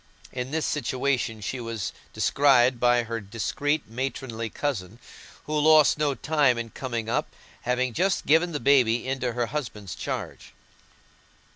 In this situation she was descried by her discreet matronly cousin, who lost no time in coming up, having just given the baby into her husband's charge.